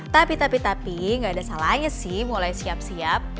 tapi tapi tapi nggak ada salahnya sih mulai siap siap